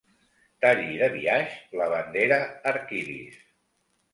Talli de biaix la bandera arc-iris.